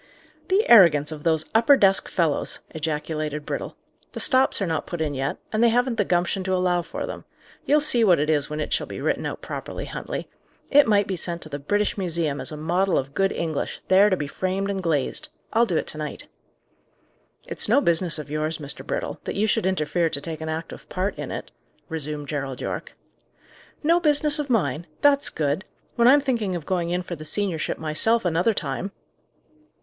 "The arrogance of those upper desk fellows!" ejaculated Brittle. "The stops are not put in yet, and they haven't the gumption to allow for them. You'll see what it is when it shall be written out properly, Huntley. It might be sent to the British Museum as a model of good English, there to be framed and glazed. I'll do it to night." "It's no business of yours, Mr. Brittle, that you should interfere to take an active part in it," resumed Gerald Yorke. "No business of mine! That's good! When I'm thinking of going in for the seniorship myself another time!"